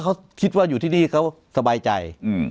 เขาคิดว่าอยู่ที่นี่เขาสบายใจ